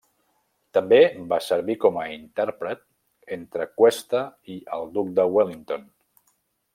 També va servir com a intèrpret entre Cuesta i el duc de Wellington.